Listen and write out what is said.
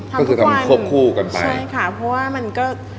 ก็คือทำควบคู่กันไปใช่ค่ะเพราะว่ามันก็